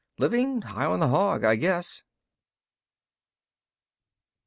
Living high on the hog, I guess."